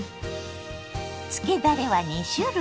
つけだれは２種類。